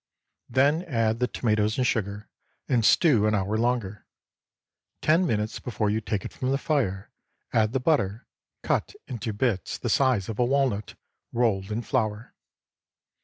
Then add the tomatoes and sugar, and stew an hour longer. Ten minutes before you take it from the fire add the butter, cut into bits the size of a walnut, rolled in flour.